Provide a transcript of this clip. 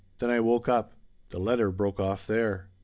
Then I woke up " The letter broke off there.